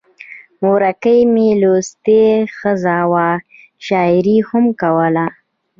مورکۍ مې لوستې ښځه وه، شاعري یې هم کوله.